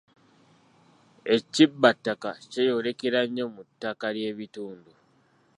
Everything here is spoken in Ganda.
Ekibbattaka kyeyolekera nnyo mu ttaka ly'ebitundu.